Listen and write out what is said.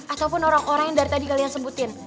ataupun orang orang yang dari tadi kalian sebutin